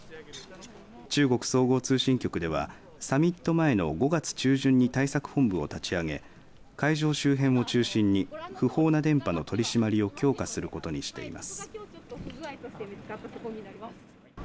中国総合通信局ではサミット前の５月中旬に対策本部を立ち上げ会場周辺を中心に不法な電波の取締りを強化することにしています。